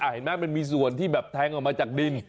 เห็นไหมมันมีส่วนที่แบบแทงออกมาจากดิน